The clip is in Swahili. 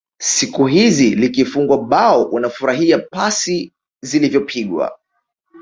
siku hizi likifungwa bao unafurahia pasi zilivyopigwa